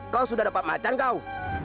kau sudah dapat macan kau